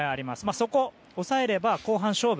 そこを抑えれば後半勝負。